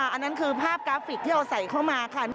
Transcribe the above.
อันนั้นคือภาพกราฟิกที่เราใส่เข้ามาค่ะ